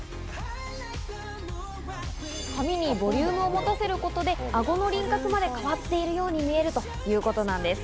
髪にボリュームを持たせることで、あごの輪郭まで変わっているように見えるということなんです。